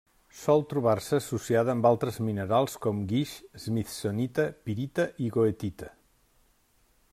Sol trobar-se associada amb altres minerals com: guix, smithsonita, pirita i goethita.